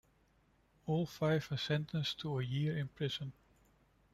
All five were sentenced to a year in prison.